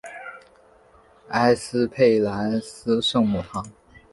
埃斯佩兰斯圣母堂。